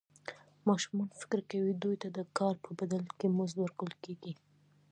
ماشومان فکر کوي دوی ته د کار په بدل کې مزد ورکول کېږي.